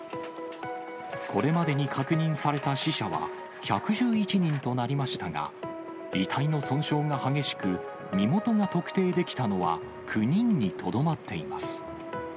これまでに確認された死者は１１１人となりましたが、遺体の損傷が激しく、身元が特定できたのは９人にとどまっています。